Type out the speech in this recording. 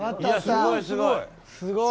すごいすごい！